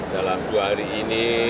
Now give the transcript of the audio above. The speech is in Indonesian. dalam dua hari ini